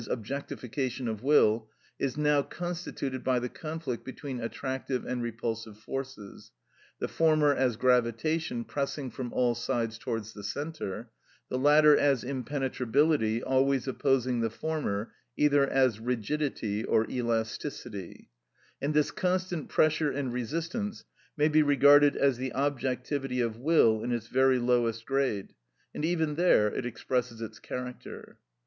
_, objectification of will, is now constituted by the conflict between attractive and repulsive forces, the former as gravitation pressing from all sides towards the centre, the latter as impenetrability always opposing the former either as rigidity or elasticity; and this constant pressure and resistance may be regarded as the objectivity of will in its very lowest grade, and even there it expresses its character.